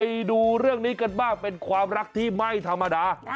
ไปดูเรื่องนี้กันบ้างเป็นความรักที่ไม่ธรรมดา